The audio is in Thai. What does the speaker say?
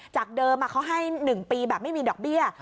จากเดิมเขาให้๑ปีแบบไม่มีดอกเบี้ย